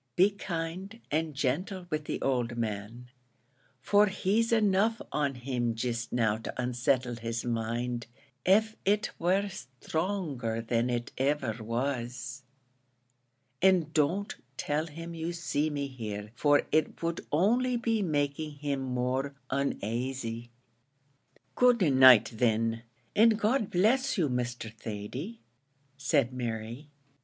Be kind and gentle with the owld man, for he's enough on him jist now to unsettle his mind, av it were sthronger than it iver was; and don't tell him you see me here, for it would only be making him more onasy." "Good night, thin, an' God bless you, Mr. Thady," said Mary.